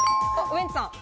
ウエンツさん。